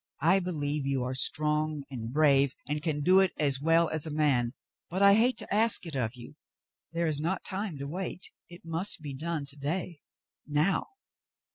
*'I believe you are strong and brave and can do it as well as a man, but I hate to ask it of you. There is not time to wait. It must be done to day, now."